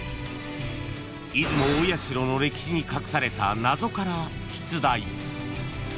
［出雲大社の歴史に隠された謎から出題］